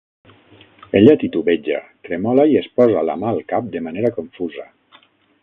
Ella titubeja, tremola i es posa la mà al cap de manera confusa.